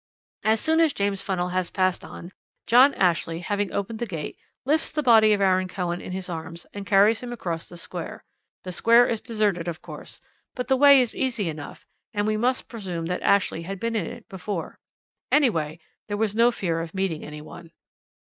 As soon as James Funnell has passed on, John Ashley, having opened the gate, lifts the body of Aaron Cohen in his arms and carries him across the Square. The Square is deserted, of course, but the way is easy enough, and we must presume that Ashley had been in it before. Anyway, there was no fear of meeting any one.